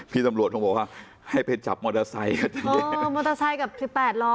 พี่ตำรวจคงบอกว่าให้ไปจับมอเตอร์ไซค์มอเตอร์ไซค์กับสิบแปดล้อ